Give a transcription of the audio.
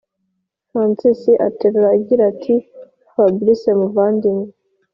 francis aterura agira ati”fabric muvandimwe